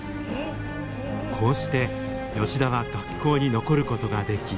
こうして吉田は学校に残ることができ。